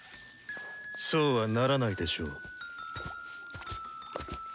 そうはならないでしょう。